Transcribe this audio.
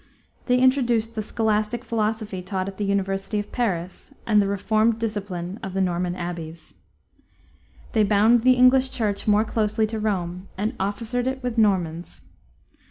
They introduced the scholastic philosophy taught at the University of Paris, and the reformed discipline of the Norman abbeys. They bound the English Church more closely to Rome, and officered it with Normans.